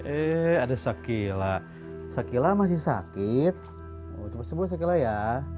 eh ada sakela sakela masih sakit coba sebuah sakela ya